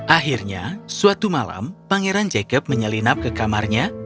akhirnya suatu malam pangeran jacob menyelinap ke kamarnya